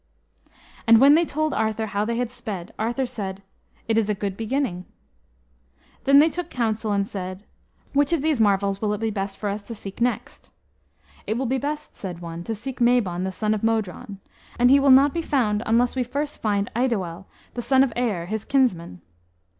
And when they told Arthur how they had sped, Arthur said, "It is a good beginning." Then they took counsel, and said, "Which of these marvels will it be best for us to seek next?" "It will be best," said one, "to seek Mabon, the son of Modron; and he will not be found unless we first find Eidoel, the son of Aer, his kinsman."